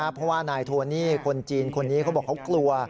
เพราะว่านายโทนี่คนจีนคนนี้เขาบอกเขากลัว